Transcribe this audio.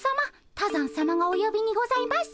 多山さまがおよびにございます。